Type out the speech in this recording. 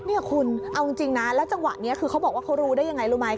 นี่คุณเอาจริงนะแล้วจังหวะนี้คือเขาบอกว่าเขารู้ได้ยังไงรู้ไหม